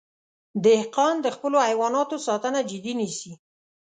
دهقان د خپلو حیواناتو ساتنه جدي نیسي.